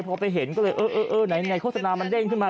พอไปเห็นก็เลยเออไหนโฆษณามันเด้งขึ้นมา